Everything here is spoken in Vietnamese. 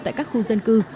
tại các khu dân cư